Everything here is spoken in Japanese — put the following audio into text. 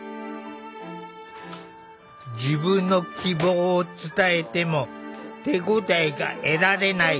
自分の希望を伝えても手応えが得られない。